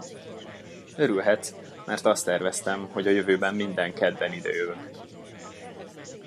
Örülhetsz, mert azt tervezem, hogy a jövőben minden kedden ide jövök.